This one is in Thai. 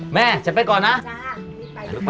แม่ฉันไปก่อนนะ